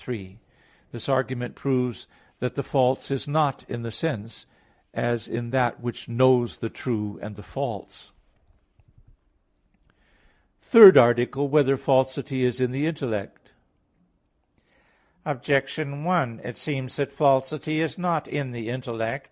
3: This argument proves that the false is not in the sense, as in that which knows the true and the false. _______________________ THIRD ARTICLE [I, Q. 17, Art. 3] Whether Falsity Is in the Intellect? Objection 1: It seems that falsity is not in the intellect.